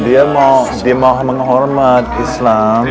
dia mau menghormat islam